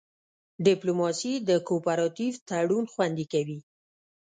ډیپلوماسي د کوپراتیف تړون خوندي کوي